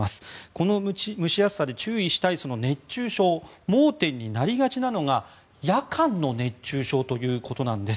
この蒸し暑さで注意したいその熱中症盲点になりがちなのが夜間の熱中症ということなんです。